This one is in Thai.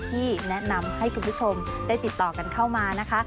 ที่แนะนำให้คุณผู้ชมได้ติดต่อกันเข้ามานะคะ